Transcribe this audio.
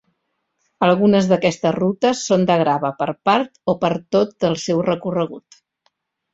Algunes d'aquestes rutes són de grava per part o per tot el seu recorregut.